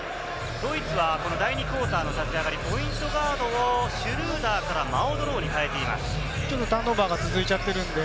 ドイツは第２クオーターの立ち上がり、ポイントガードのシュルーダーからマオド・ローに代えています。